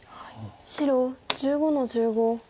白１５の十五。